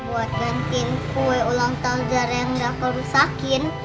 buat gantiin kue ulang tahun zara yang gak kamu rusakin